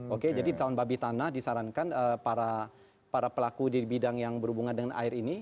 oke jadi tahun babi tanah disarankan para pelaku di bidang yang berhubungan dengan air ini